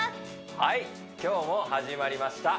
はい今日も始まりました